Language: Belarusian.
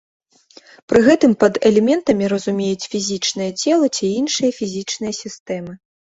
Пры гэтым пад элементамі разумеюць фізічныя целы ці іншыя фізічныя сістэмы.